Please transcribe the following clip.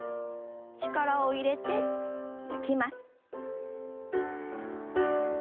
力を入れて抜きます。